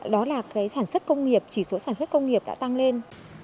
đó là sản xuất công nghiệp chỉ số sản xuất công nghiệp đã tăng lên